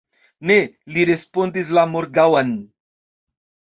Ne, li respondis la morgaŭan.